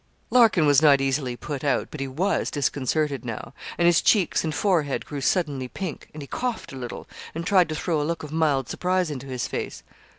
Larkin was not easily put out, but he was disconcerted now; and his cheeks and forehead grew suddenly pink, and he coughed a little, and tried to throw a look of mild surprise into his face.